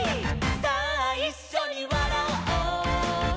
さあいっしょにわらおう」